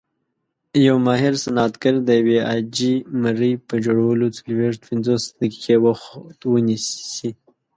یو ماهر صنعتګر د یوې عاجي مرۍ په جوړولو څلويښت - پنځوس دقیقې وخت نیسي.